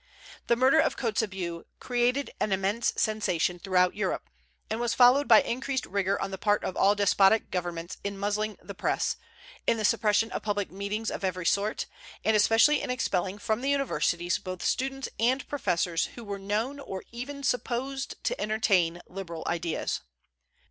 The murder of Kotzebue created an immense sensation throughout Europe, and was followed by increased rigor on the part of all despotic governments in muzzling the press, in the suppression of public meetings of every sort, and especially in expelling from the universities both students and professors who were known or even supposed to entertain liberal ideas.